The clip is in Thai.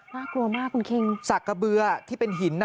น่ากลัวมากคุณคิงสักกระเบือที่เป็นหินน่ะ